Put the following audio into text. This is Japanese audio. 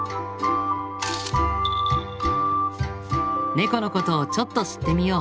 ネコのことをちょっと知ってみよう。